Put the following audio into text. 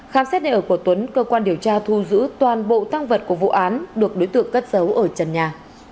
khám xét nơi ở của tuấn cơ quan điều tra thu giữ toàn bộ tăng vật của vụ án được đối tượng cất giấu ở trần nhà